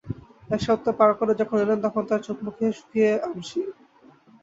এক সপ্তাহ পার করে যখন এলেন তখন তাঁর চোখ-মুখ শুকিয়ে আমসি।